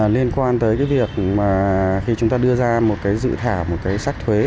liên quan tới cái việc mà khi chúng ta đưa ra một cái dự thảo một cái sách thuế